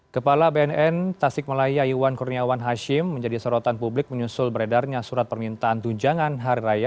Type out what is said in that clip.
kepala bnn tasik malaya iwan kurniawan hashim menjadi sorotan publik menyusul beredarnya surat permintaan tunjangan hari raya